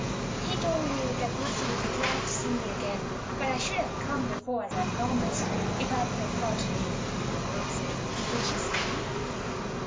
"He told me that Mercy would be glad to see me again; but I should have come before, as I promised, if I could have gotten in," Ruth said. "Will she see me?"